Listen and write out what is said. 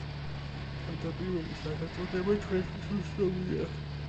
თავდაპირველი სახელწოდება ჩვენთვის უცნობია.